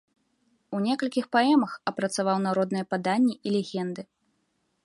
У некалькіх паэмах апрацаваў народныя паданні і легенды.